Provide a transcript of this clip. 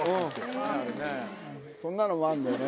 そんなのもあるんだよね。